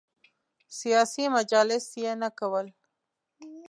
سیاسي مجالس یې نه کول.